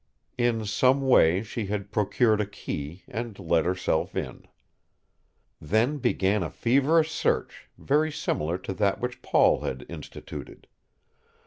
In some way she had procured a key and let herself in. Then began a feverish search very similar to that which Paul had instituted.